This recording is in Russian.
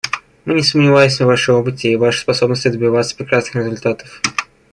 Мы не сомневаемся в Вашем опыте и в Вашей способности добиваться прекрасных результатов.